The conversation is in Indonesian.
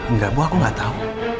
enggak bu aku nggak tahu